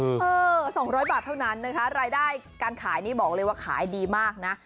เออ๒๐๐บาทเท่านั้นนะคะรายได้การขายนี่บอกเลยว่าขายดีมากนะ